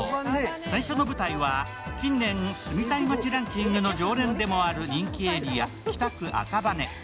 最初の舞台は近年住みたい街ランキングの常連でもある人気エリア、北区赤羽。